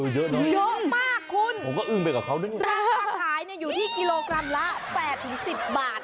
เยอะมากคุณราคาขายอยู่ที่กิโลกรัมละ๘๑๐บาท